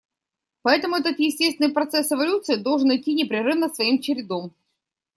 Поэтому этот естественный процесс эволюции должен идти непрерывно своим чередом.